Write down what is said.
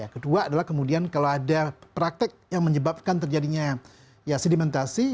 kedua adalah kemudian kalau ada praktek yang menyebabkan terjadinya sedimentasi